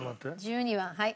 １２番はい。